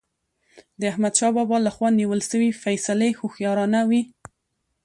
د احمدشاه بابا له خوا نیول سوي فيصلي هوښیارانه وي.